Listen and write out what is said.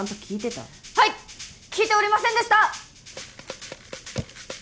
聞いておりませんでした！